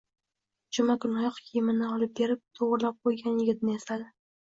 juma kuni oyoq kiyimini olib kelib to'g'rilab qo'ygan yigitni esladi.